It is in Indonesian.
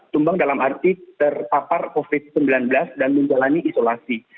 tumbang dalam arti terpapar covid sembilan belas dan menjalani isolasi